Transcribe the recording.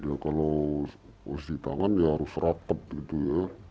ya kalau cuci tangan ya harus rapet gitu ya